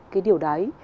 cái điều đấy